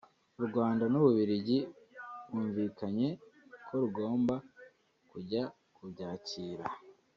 u Rwanda n’u Bubiligi bumvikanye ko rugomba kujya kubyakira